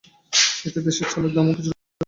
এতে দেশে চালের দামও কিছুটা কমেছে।